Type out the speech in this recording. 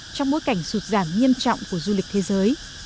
trong bối cảnh sụt giảm nghiêm trọng của du lịch thế giới